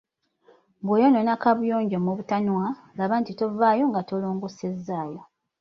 Bw‘oyonoona kabuyonjo mu butanwa, laba nti tovaayo nga tolongoosezaayo.